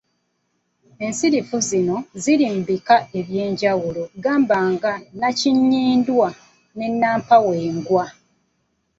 Ensirifu zino zirimu ebika eby’enjawulo gamba nga, ‘nnakinnyindwa’ ne nnampawengwa.